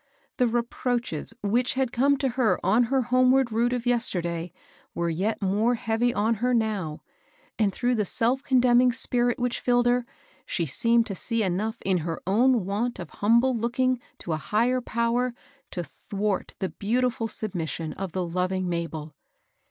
The reproaches which had come to her on her homeward route of yesterday were yet more heavy on her now, and through the self condemning spirit which filled her, she seemed to see enough in her own want of humble looking to a Higher Power to thwart the beautiful submission of the loving Mabel.